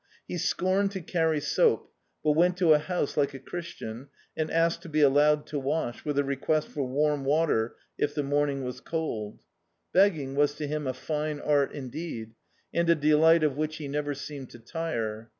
He scorned to carry soap, but went to a house like a Christian, and asked to be alhmed to wash, with a request for warm water if the morning was cold. Bering was to him a fine art, indeed, and a delight of which he never seemed to tire.